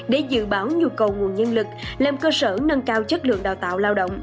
để dự báo nhu cầu nguồn nhân lực làm cơ sở nâng cao chất lượng đào tạo lao động